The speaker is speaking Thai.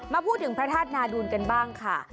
มาพูดถึงพระธาตุนาดูลกันบ้างค่ะ